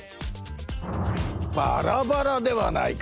バラバラではないか！